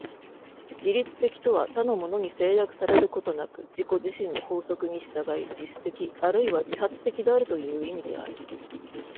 自律的とは他のものに制約されることなく自己自身の法則に従い、自主的あるいは自発的であるという意味である。